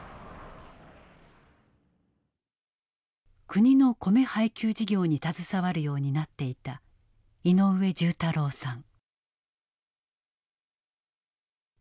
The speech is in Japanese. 国の米配給事業に携わるようになっていた井上重太郎さん。